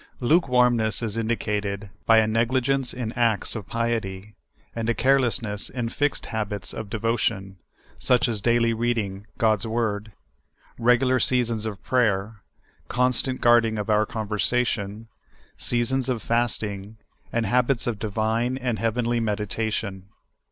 Lukewarmness is indicated by a negligence in acts of piet}', and a carelessness in fixed habits of devotion ; such as daily reading God's Word, regular seasons of prayer, constant guarding of our conversation, seasons of fasting, and habits of divine and heavenly medita tion.